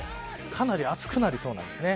かなり暑くなりそうなんですね。